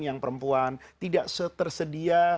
yang perempuan tidak tersedia